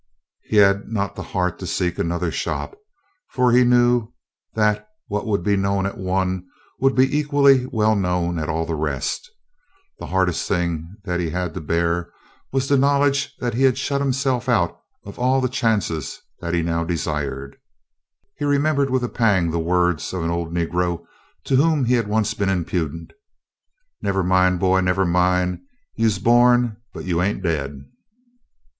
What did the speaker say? He had not the heart to seek another shop, for he knew that what would be known at one would be equally well known at all the rest. The hardest thing that he had to bear was the knowledge that he had shut himself out of all the chances that he now desired. He remembered with a pang the words of an old negro to whom he had once been impudent, "Nevah min', boy, nevah min', you 's bo'n, but you ain't daid!"